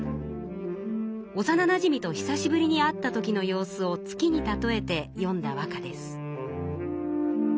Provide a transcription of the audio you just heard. おさななじみと久しぶりに会ったときの様子を月に例えてよんだ和歌です。